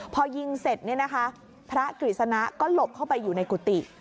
พอยิงเสร็จเนี่ยนะคะพระกฤษณะก็หลบเข้าไปอยู่ในกุฏิ